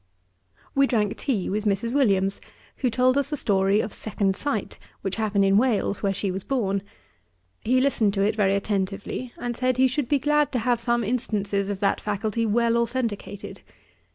We drank tea with Mrs. Williams, who told us a story of second sight, which happened in Wales where she was born. He listened to it very attentively, and said he should be glad to have some instances of that faculty well authenticated.